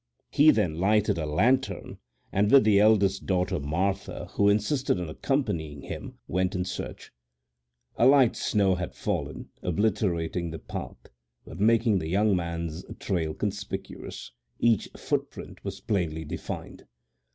He then lighted a lantern and with the eldest daughter, Martha, who insisted on accompanying him, went in search. A light snow had fallen, obliterating the path, but making the young manŌĆÖs trail conspicuous; each footprint was plainly defined.